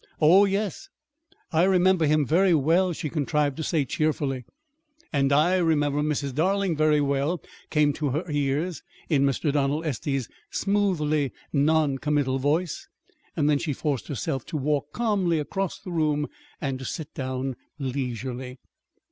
"Oh, yes, I remember him very well," she contrived to say cheerfully. "And I remember Mrs. Darling very well," came to her ears in Mr. Donald Estey's smoothly noncommittal voice. Then she forced herself to walk calmly across the room and to sit down leisurely.